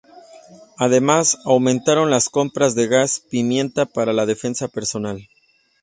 Además, aumentaron las compras de gas pimienta para la defensa personal.